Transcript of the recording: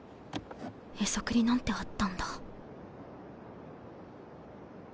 ヘソクリなんてあったんだ